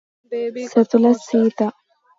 సతుల Sita